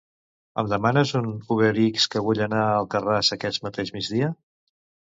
Em demanes un UberX que vull anar a Alcarràs aquest mateix migdia?